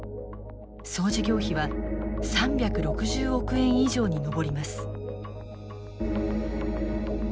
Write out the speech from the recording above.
総事業費は３６０億円以上に上ります。